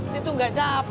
situ gak capek apa